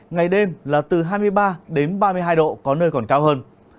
ngày đêm là từ hai mươi ba đến ba mươi hai độ có nơi còn cao hơn